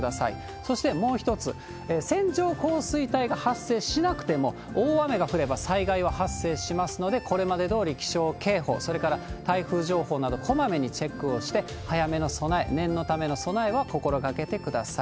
そしてもう一つ、線状降水帯が発生しなくても、大雨が降れば災害は発生しますので、これまでどおり気象警報、それから台風情報など、こまめにチェックをして、早めの備え、念のための備えは心がけてください。